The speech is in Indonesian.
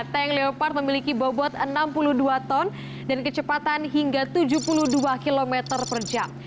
tank leopard memiliki bobot enam puluh dua ton dan kecepatan hingga tujuh puluh dua km per jam